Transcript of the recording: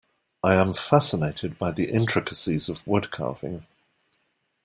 I am fascinated by the intricacies of woodcarving.